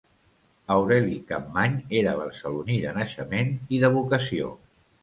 Aureli Capmany era barceloní de naixement i de vocació.